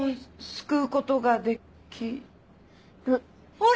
ほら！